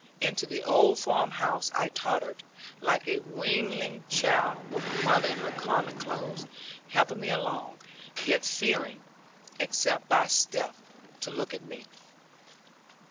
Into the old farmhouse I tottered, like a weanling child, with mother in her common clothes, helping me along, yet fearing, except by stealth, to look at me.